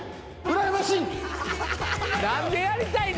うらやましい！